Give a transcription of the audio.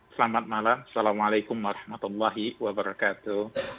selamat malam assalamualaikum warahmatullahi wabarakatuh